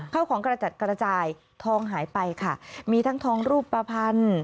เข้าของกระจัดกระจายทองหายไปค่ะมีทั้งทองรูปภัณฑ์